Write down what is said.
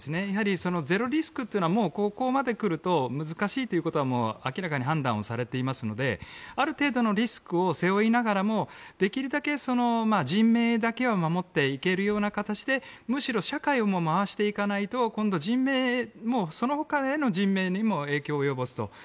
やはりゼロリスクというのはここまで来ると難しいということは明らかに判断されていますのである程度のリスクを背負いながらもできるだけ人命だけは守っていけるような形でむしろ社会をも回していかないと今度そのほかの人命にも影響を及ぼすと。